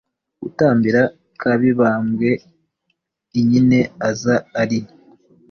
gatambira ka mibambwe i nyine aza ari